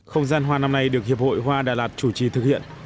không gian hoa năm nay được hiệp hội hoa đà lạt chủ trì thực hiện